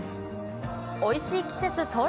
おいしい季節到来。